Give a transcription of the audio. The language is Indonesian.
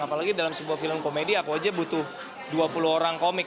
apalagi dalam sebuah film komedi aku aja butuh dua puluh orang komik